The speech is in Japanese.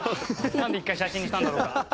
なんで１回写真にしたんだろうか。